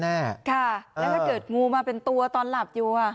แล้วถ้าเกิดงูมาเป็นตัวตอนหลับอยู่